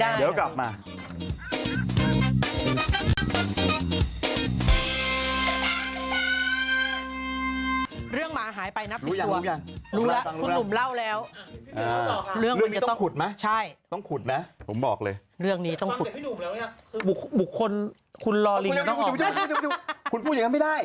อย่าไปพูดอย่างนั้นไม่ได้